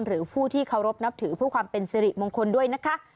หรือผู้ที่เคารพนับถือเพื่อความเป็นสิริมงคลด้วยนะคะ